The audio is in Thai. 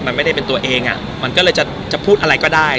มันไม่ได้เป็นตัวเองอ่ะมันก็เลยจะพูดอะไรก็ได้